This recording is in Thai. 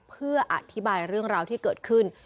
เพื่ออธิบายเรื่องราวที่เกิดขึ้น